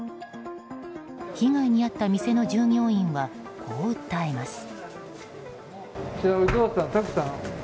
被害に遭った店の従業員はこう訴えます。